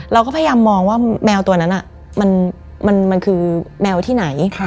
เราก็พยายามมองว่าแมวตัวนั้นมันคือแมวที่ไหน